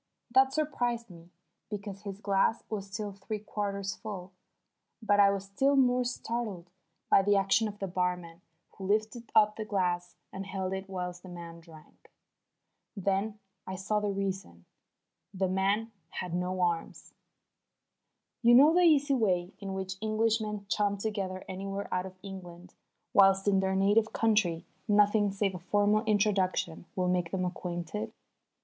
That surprised me, because his glass was still three quarters full. But I was still more startled by the action of the barman who lifted up the glass and held it whilst the man drank. Then I saw the reason. The man had no arms. You know the easy way in which Englishmen chum together anywhere out of England, whilst in their native country nothing save a formal introduction will make them acquainted?